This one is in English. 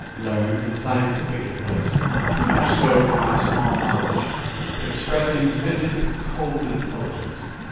Learned and scientific it was, too much so for my small knowledge, but expressing a vivid if cold intelligence.